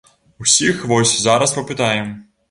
Усіх вось зараз папытаем.